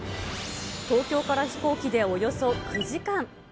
東京から飛行機でおよそ９時間。